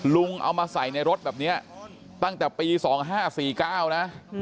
ลุงเอามาใส่ในรถแบบนี้ตั้งแต่ปี๒๕๔๙นะ